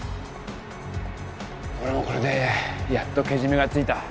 俺もこれでやっとけじめがついた。